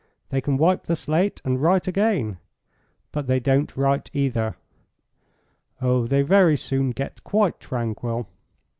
They can wipe the slate and write again. But they don't write, either. Oh, they very soon get quite tranquil.